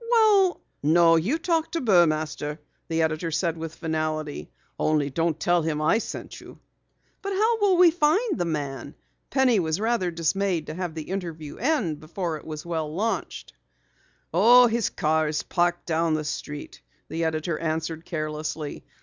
"Well " "No, you talk to Burmaster," the editor said with finality. "Only don't tell him I sent you." "But how will we find the man?" Penny was rather dismayed to have the interview end before it was well launched. "Oh, his car is parked down the street," the editor answered carelessly.